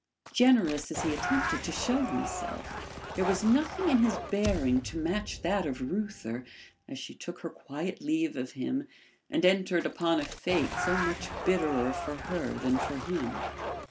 Generous as he attempted to show himself, there was nothing in his bearing to match that of Reuther as she took her quiet leave of him and entered upon a fate so much bitterer for her than for him.